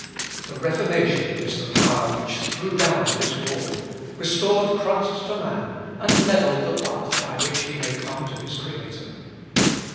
The Reformation is the power which threw down this wall, restored Christ to man, and levelled the path by which he may come to his Creator.